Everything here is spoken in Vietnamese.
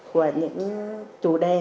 của những chủ đề